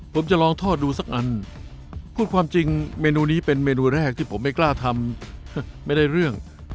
ผมจะลองทอดดูสักอันพูดความจริงเมนูนี้เป็นเมนูแรกที่ผมไม่กล้าทำไม่ได้เรื่อง